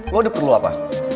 lo udah perlu apa